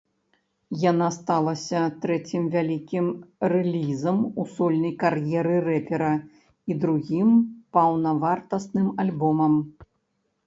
Яна сталася трэцім вялікім рэлізам у сольнай кар'еры рэпера і другім паўнавартасным альбомам.